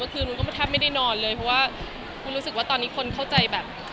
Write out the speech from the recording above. คือวุ้นก็แทบไม่ได้นอนเลยเพราะว่าวุ้นรู้สึกว่าตอนนี้คนเข้าใจแบบ